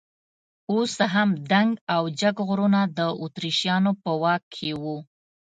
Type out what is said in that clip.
اوس هم دنګ او جګ غرونه د اتریشیانو په واک کې وو.